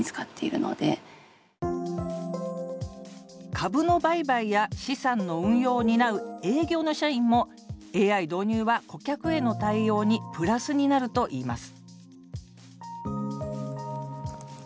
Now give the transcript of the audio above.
株の売買や資産の運用を担う営業の社員もＡＩ導入は顧客への対応にプラスになるといいます